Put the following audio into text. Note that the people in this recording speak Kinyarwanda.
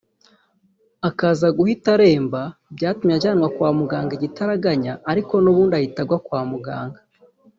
akaza guhita aremba byatumye ajyanwa kwa muganga igitaraganya ariko n’ubundi ahita agwa kwa muganga